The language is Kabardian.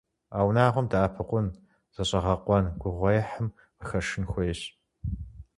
А унагъуэм дэӀэпыкъун, зыщӀэгъэкъуэн, гугъуехьым къыхэшын хуейщ.